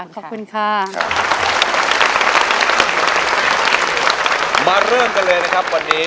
ขอบคุณค่ะ